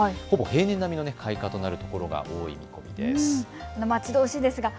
ほぼ平年並みの開花となる所が多い見込みです。